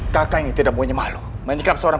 kakak ini tidak punya malu menikam seorang